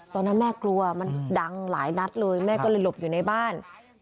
ตอนนั้นแม่กลัวมันดังหลายนัดเลยแม่ก็เลยหลบอยู่ในบ้าน